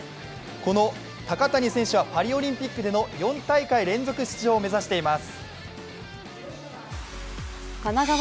この高谷選手はパリオリンピックでの４大会連続出場を目指しています。